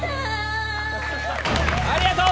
ありがとう！